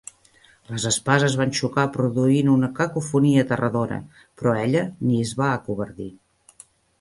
Les espases van xocar produint una cacofonia aterradora, però ella ni es va acovardir.